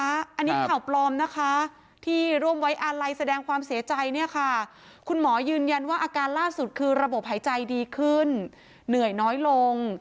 อันนี้ข่าวปลอมนะคะที่ร่วมไว้อาลัยแสดงความเสียใจเนี่ยค่ะคุณหมอยืนยันว่าอาการล่าสุดคือระบบหายใจดีขึ้นเหนื่อยน้อยลง